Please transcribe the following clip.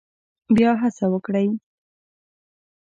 بیا هڅه وکړئ